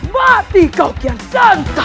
mati kau kian santan